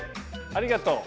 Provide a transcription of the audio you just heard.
ありがとう。